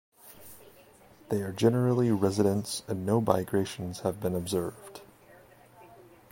They are generally residents and no migrations have been observed.